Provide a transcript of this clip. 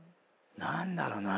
何だろな？